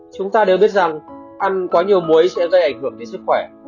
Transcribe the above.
chúng ta đều biết rằng ăn quá nhiều muối sẽ dây ảnh hưởng đến sức khỏe